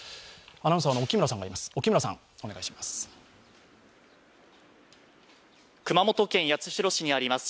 アナウンサーの沖村さんがいます。